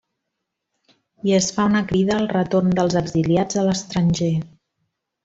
I es fa una crida al retorn dels exiliats a l'estranger.